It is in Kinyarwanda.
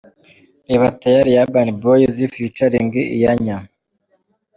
Reba Tayali ya Urban Boyz ft Iyanya.